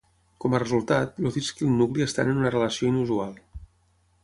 Com a resultat, el disc i el nucli estan en una relació inusual.